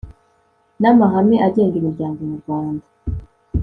n amahame agenga imiryango nyarwanda